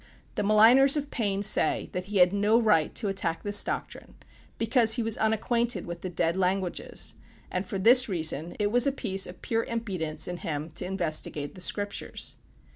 The maligners of Paine say that he had no right to attack this doctrine because he was unacquainted with the dead languages; and for this reason, it was a piece of pure impudence in him to investigate the Scriptures.